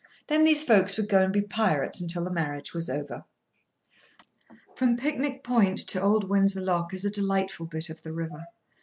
Then these folks would go and be pirates until the marriage was over. From Picnic Point to Old Windsor Lock is a delightful bit of the river.